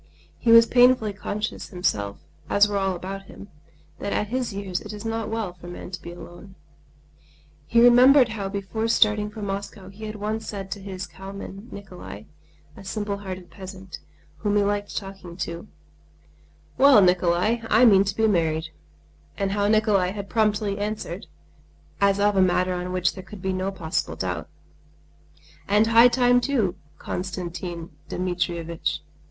He was painfully conscious himself, as were all about him, that at his years it is not well for man to be alone. He remembered how before starting for Moscow he had once said to his cowman Nikolay, a simple hearted peasant, whom he liked talking to: "Well, Nikolay! I mean to get married," and how Nikolay had promptly answered, as of a matter on which there could be no possible doubt: "And high time too, Konstantin Dmitrievitch."